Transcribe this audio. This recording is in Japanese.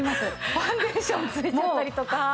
ファンデーションついちゃったりとか。